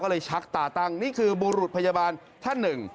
ก็เลยชักตาตั้งนี่คือบุรุษพยาบาลท่านหนึ่ง